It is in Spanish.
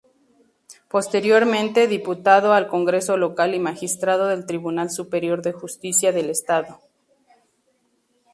Posteriormente Diputado al Congreso local y magistrado del Tribunal Superior de Justicia del estado.